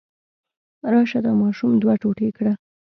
راشه دا ماشوم دوه ټوټې کړه.